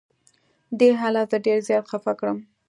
دې حالت زه ډېر زیات خفه کړم.